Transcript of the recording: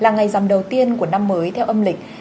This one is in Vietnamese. là ngày giảm đầu tiên của năm mới theo âm lịch